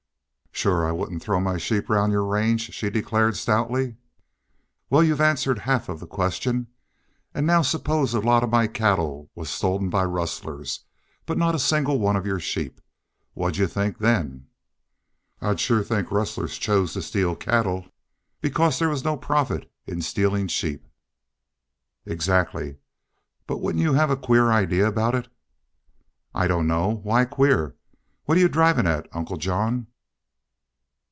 "Shore I wouldn't throw my sheep round y'ur range," she declared, stoutly. "Wal, you've answered half of the question. An' now supposin' a lot of my cattle was stolen by rustlers, but not a single one of your sheep. What 'd you think then?" "I'd shore think rustlers chose to steal cattle because there was no profit in stealin' sheep." "Egzactly. But wouldn't you hev a queer idee aboot it?" "I don't know. Why queer? What 're y'u drivin' at, Uncle John?"